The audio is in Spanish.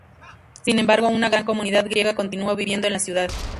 Sin embargo, una gran comunidad griega continuó viviendo en la ciudad.